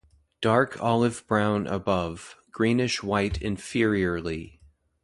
Dark olive-brown above, greenish-white inferiorly.